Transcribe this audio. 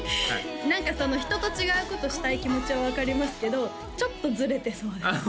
何か人と違うことしたい気持ちは分かりますけどちょっとズレてそうですああ